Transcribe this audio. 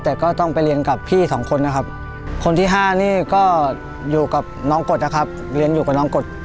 แต่ก็ต้องไปเรียนกับพี่สองคนนะครับคนที่๕นี่ก็อยู่กับน้องกฎนะครับเรียนอยู่กับน้องกฎ